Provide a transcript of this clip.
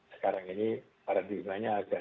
sekarang ini paradigmannya agak